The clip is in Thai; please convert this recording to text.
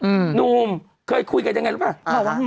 อืมนุมเคยคุยกันอย่างไรหรือเปล่า